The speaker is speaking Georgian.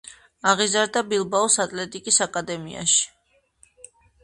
აღიზარდა ბილბაოს „ატლეტიკის“ აკადემიაში.